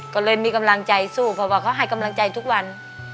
ก็เลยมีกำลังใจสู้เพราะว่าเขาให้กำลังใจทุกวัน